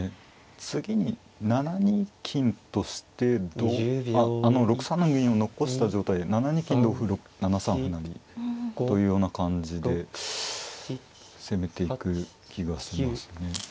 次に７二金としてあの６三の銀を残した状態で７二金同歩７三歩成というような感じで攻めていく気がしますね。